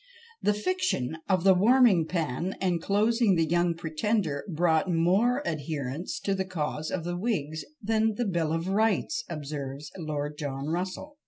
"The fiction of the warming pan enclosing the young Pretender brought more adherents to the cause of the Whigs than the Bill of Rights," observes Lord John Russell.